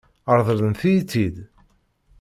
Ṛeḍlent-iyi-tt-id?